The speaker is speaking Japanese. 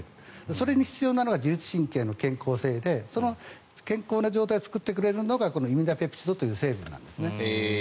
それに必要なのが自律神経の健康性でその健康な状態を作ってくれるのがこのイミダペプチドという成分なんですね。